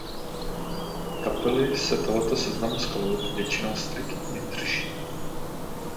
Kapely se tohoto seznamu skladeb většinou striktně drží.